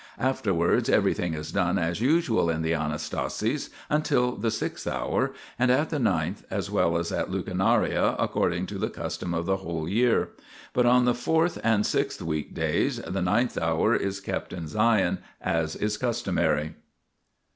Afterwards everything is done as usual 90 THE PILGRIMAGE OF ETHERIA in the Anastasis until the sixth hour, and at the ninth, as well as at lucernare, according to the custom of the whole year. But on the fourth and sixth weekdays, the ninth hour is kept in Sion as is customary.